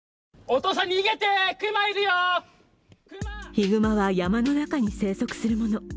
ひぐまは山の中に生息するもの。